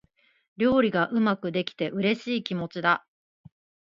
料理がうまくできて、嬉しい気持ちだ。